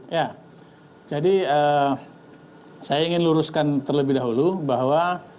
ya jadi saya ingin luruskan terlebih dahulu bahwa